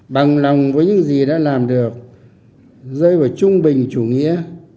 bằng lòng với những gì đã làm được rơi vào trung bình chủ nghĩa